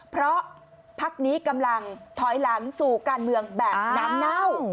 เพราะพักนี้กำลังถอยหลังสู่การเมืองแบบน้ำเน่า